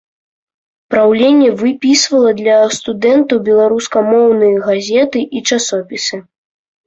Праўленне выпісвала для студэнтаў беларускамоўныя газеты і часопісы.